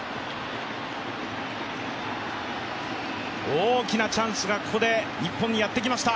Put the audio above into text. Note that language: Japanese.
大きなチャンスがここで日本にやってきました。